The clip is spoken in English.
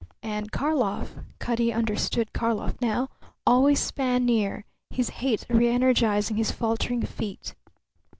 And Karlov Cutty understood Karlov now always span near, his hate reenergizing his faltering feet.